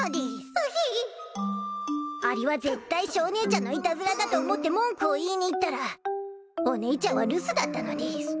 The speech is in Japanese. うひぃ！ありは絶対ショーねいちゃんのいたずらだと思って文句を言いに行ったらおねいちゃんは留守だったのでぃす。